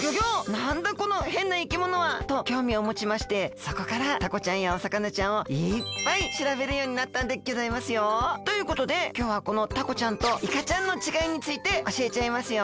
なんだこのへんないきものは！？ときょうみをもちましてそこからタコちゃんやお魚ちゃんをいっぱいしらべるようになったんでギョざいますよ。ということできょうはこのタコちゃんとイカちゃんのちがいについておしえちゃいますよ！